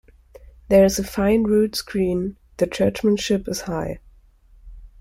There is a fine rood screen; the churchmanship is High.